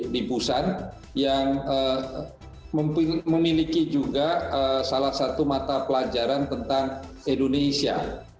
di busan yang memiliki juga salah satu mata pelajaran tentang indonesia